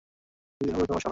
দিদি হবে তোর মা, শালা।